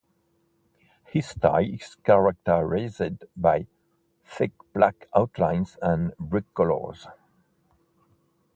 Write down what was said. His style is characterized by thick black outlines and bright colors.